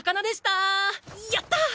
やったー！